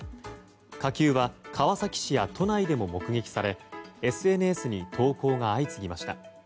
火球は川崎市や都内でも目撃されＳＮＳに投稿が相次ぎました。